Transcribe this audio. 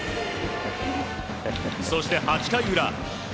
そして、８回裏。